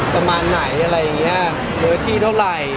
ประมาณไหนเนื้อที่เท่าไหร่